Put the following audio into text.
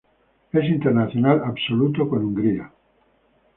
Es internacional absoluto con Hungría.